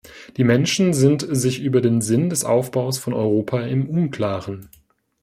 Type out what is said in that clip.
Die Menschen sind sich über den Sinn des Aufbaus von Europa im unklaren.